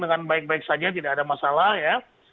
dengan baik baik saja tidak ada masalah ya